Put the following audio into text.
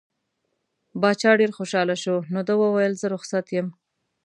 باچا ډېر خوشحاله شو نو ده وویل زه رخصت یم.